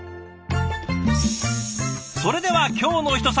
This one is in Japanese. それでは「きょうのひと皿」。